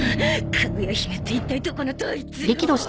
かぐや姫って一体どこのどいつよ！